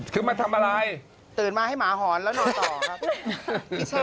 คือมาทำอะไรตื่นมาให้หมาหอนแล้วนอนต่อครับ